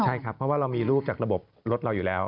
ใช่ครับเพราะว่าเรามีรูปจากระบบรถเราอยู่แล้ว